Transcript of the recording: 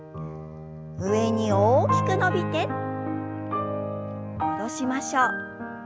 上に大きく伸びて戻しましょう。